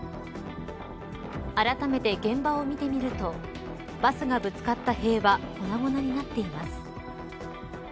あらためて現場を見てみるとバスがぶつかった塀は粉々になっています。